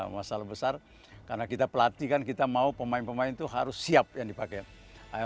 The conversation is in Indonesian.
masalah besar karena kita pelatih kan kita mau pemain pemain itu harus siap yang dipakai